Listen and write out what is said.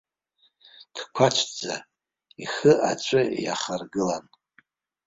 Дқәацәӡа, ихы аҵәы иахаргылан.